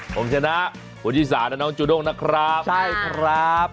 ผมชนะคุณชิสาและน้องจูด้งนะครับใช่ครับ